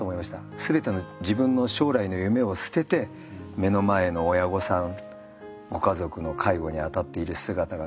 全ての自分の将来の夢を捨てて目の前の親御さんご家族の介護にあたっている姿がね